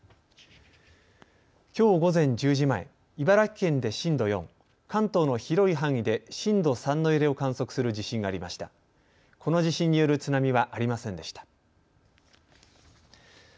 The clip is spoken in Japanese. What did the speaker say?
きょう午前１０時前、茨城県で震度４、関東の広い範囲で震度３の揺れを観測する地震がありました。